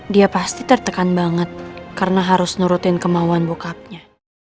dia pasti tertekan banget karena harus nurutin kemauan bokapnya